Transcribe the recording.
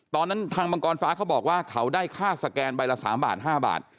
ทางมังกรฟ้าเขาบอกว่าเขาได้ค่าสแกนใบละ๓บาท๕บาท